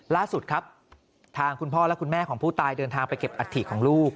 ล่าสุดครับทางคุณพ่อและคุณแม่ของผู้ตายเดินทางไปเก็บอัฐิของลูก